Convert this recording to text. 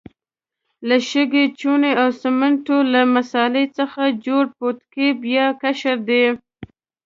له شګې، چونې او سمنټو له مسالې څخه جوړ پوټکی یا قشر دی.